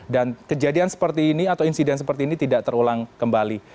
dan kejadian seperti ini atau insiden seperti ini tidak terulang kembali